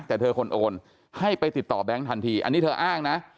แต่เธอคนโอนให้ไปติดต่อแบงค์ทันทีอันนี้เธออ้างนะ